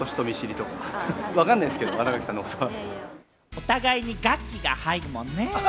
お互いに「がき」が入るもんね。